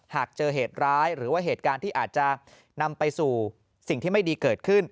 หากเจอเหตุร้ายหรือว่าเหตุการณ์ที่อาจจะนำไปสู่สิ่งที่ไม่ดีเกิดขึ้น